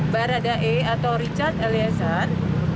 baradae atau richard eliazar